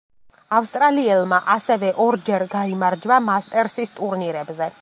ავსტრალიელმა ასევე ორჯერ გაიმარჯვა მასტერსის ტურნირებზე.